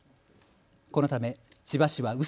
このため千葉市はう